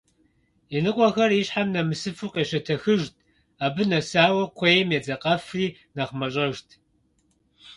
Иныкъуэхэр ищхьэм нэмысыфу къещэтэхыжт, абы нэсауэ кхъуейм едзакъэфри нэхъ мащӀэжт.